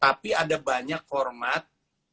tapi ada banyak format